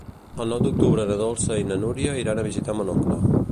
El nou d'octubre na Dolça i na Núria iran a visitar mon oncle.